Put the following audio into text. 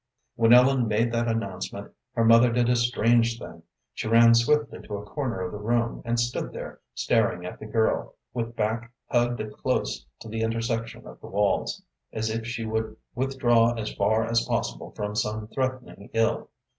When Ellen made that announcement, her mother did a strange thing. She ran swiftly to a corner of the room, and stood there, staring at the girl, with back hugged close to the intersection of the walls, as if she would withdraw as far as possible from some threatening ill.